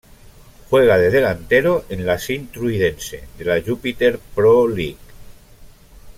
Juega de delantero en el Sint-Truidense de la Jupiler Pro League.